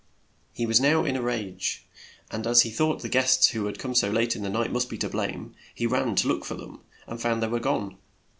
He was now in a rage, and as he thought the guests who had come so late in the night must be to blame, he ran to look for them and found they were gone.